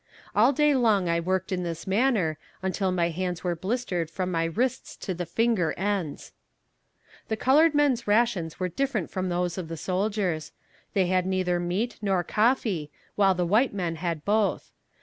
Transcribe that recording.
All day long I worked in this manner, until my hands were blistered from my wrists to the finger ends. [Illustration: DISGUISED AS A CONTRABAND. Page 113.] The colored men's rations were different from those of the soldiers. They had neither meat nor coffee, while the white men had both.